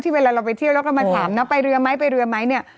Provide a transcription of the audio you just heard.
เวลาเราไปเที่ยวแล้วก็มาถามนะไปเรือไหมไปเรือไหมเนี่ย